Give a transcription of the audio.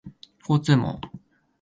交通網